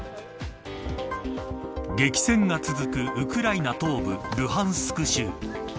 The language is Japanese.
激戦が続くウクライナ東部ルハンスク州。